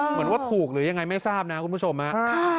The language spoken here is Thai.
เหมือนว่าถูกหรือยังไงไม่ทราบนะคุณผู้ชมฮะ